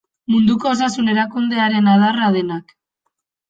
Munduko Osasun Erakundearen adarra denak.